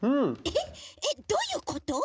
えっどういうこと？